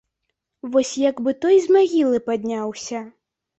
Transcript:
Вось як бы той з магілы падняўся.